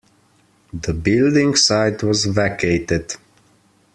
The building site was vacated.